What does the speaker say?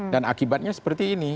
dan akibatnya seperti ini